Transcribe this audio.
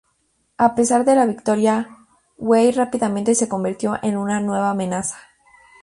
A pesar de la victoria, Wei rápidamente se convirtió en una nueva amenaza.